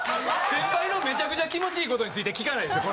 先輩のめちゃくちゃ気持ち良いことについて聞かないですよ